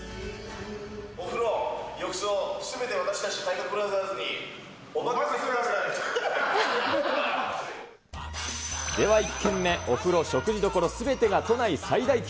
お風呂、浴槽、すべて私たち体格ブラザーズに、では１軒目、お風呂、食事どころ、すべてが都内最大級！